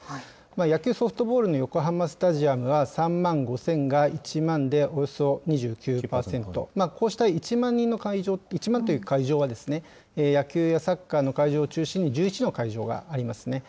野球・ソフトボールの横浜スタジアムは３万５０００が１万で、およそ２９％、こうした１万人という会場は、野球やサッカーの会場を中心に１１の会場がありますね。